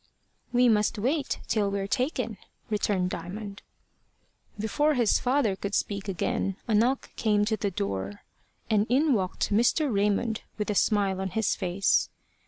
"We must wait till we're taken," returned Diamond. Before his father could speak again, a knock came to the door, and in walked Mr. Raymond with a smile on his face.